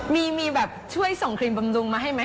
มีแบบช่วยส่งครีมบำรุงมาให้ไหม